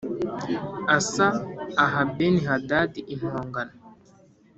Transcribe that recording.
Asa aha Beni Hadadi impongano